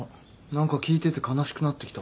何か聞いてて悲しくなってきた。